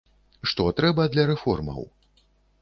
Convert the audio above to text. Што трэба для рэформаў?